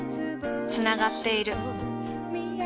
つながっている。